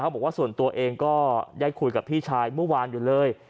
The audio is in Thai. บอกว่าส่วนตัวเองก็ได้คุยกับพี่ชายเมื่อวานอยู่เลย